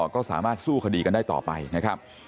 ก็สามารถสู้คดีกันได้ต่อไปนะครับ